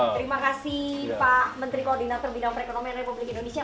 terima kasih pak menteri koordinator bidang perekonomian republik indonesia